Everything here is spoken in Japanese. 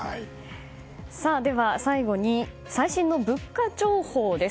では、最後に最新の物価情報です。